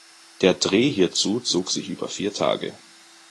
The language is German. Der Dreh hierzu zog sich über vier Tage.